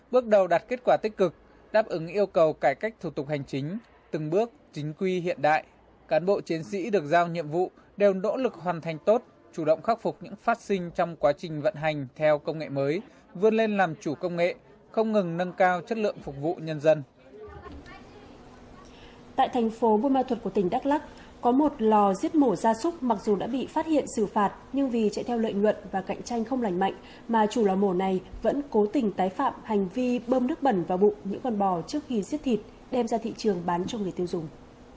bò giết mổ ra súc mặc dù đã bị phát hiện xử phạt nhưng vì chạy theo lợi nhuận và cạnh tranh không lành mạnh mà chủ lò mổ này vẫn cố tình tái phạm hành vi bơm nước bẩn vào bụng những con bò trước khi giết thịt đem ra thị trường bán cho người tiêu dùng